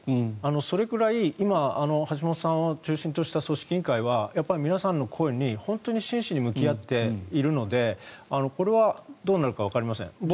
それくらい今橋本さんを中心とした組織委員会はやっぱり皆さんの声に本当に真摯に向き合っているのでこれはどうなるかわかりません。